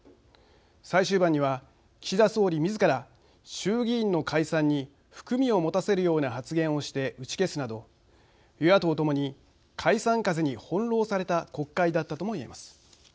最終盤には岸田総理みずから衆議院の解散に含みをもたせるような発言をして打ち消すなど与野党ともに解散風に翻弄された国会だったとも言えます。